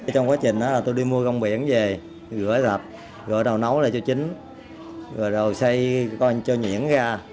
trong quá trình tôi đi mua gông biển về rửa rạp rửa đầu nấu lại cho chín rồi xây cho nhuyễn ra